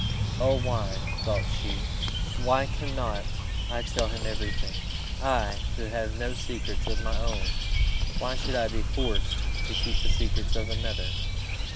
"Oh! why," thought she, "why cannot I tell him every thing? I, who have no secrets of my own why should I be forced to keep the secrets of another?"